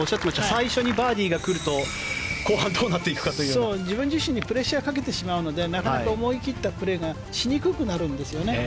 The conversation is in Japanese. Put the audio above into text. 最初にバーディーが来ると後半が自分自身にプレッシャーをかけてしまうのでなかなか思い切ったプレーがしにくくなるんですよね。